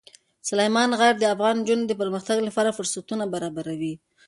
سلیمان غر د افغان نجونو د پرمختګ لپاره فرصتونه برابروي.